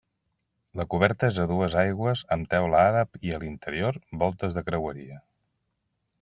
La coberta és a dues aigües amb teula àrab i a l'interior, voltes de creueria.